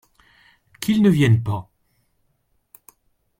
Qu’il ne vienne pas.